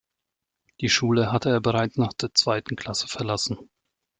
Die Schule hatte er bereits nach der zweiten Klasse verlassen.